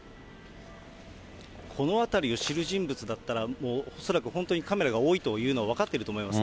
この辺りを知る人物だったら、もう恐らく本当にカメラが多いというのは分かっていると思います。